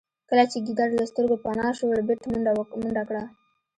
کله چې ګیدړ له سترګو پناه شو ربیټ منډه کړه